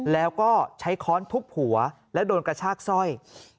แล้วก็ใช้ค้อนทุบหัวและโดนกระชากสร้อย